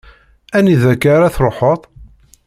Anida akk-a ara truḥeḍ?